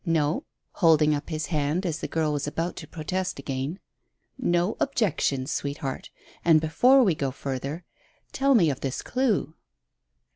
No " holding up his hand as the girl was about to protest again "no objections, sweetheart. And, before we go further, tell me of this clue."